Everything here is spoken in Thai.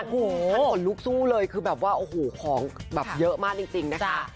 ท่านผลลุกสู้เลยคือแบบว่าของเยอะมากจริงนะคะ